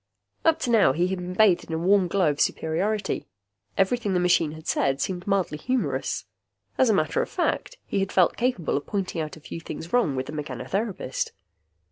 Up to now, he had been bathed in a warm glow of superiority. Everything the machine said had seemed mildly humorous. As a matter of fact, he had felt capable of pointing out a few things wrong with the mechanotherapist.